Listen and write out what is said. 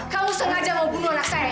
kamu sengaja mau bunuh anak saya